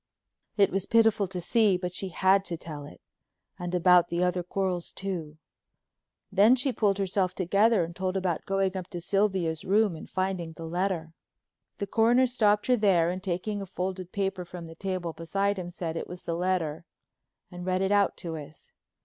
It was pitiful to see but she had to tell it, and about the other quarrels too. Then she pulled herself together and told about going up to Sylvia's room and finding the letter. The Coroner stopped her there and taking a folded paper from the table beside him said it was the letter and read it out to us.